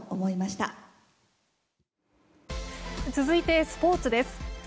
続いてスポーツです。